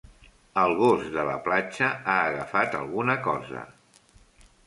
El gos de la platja ha agafat alguna cosa.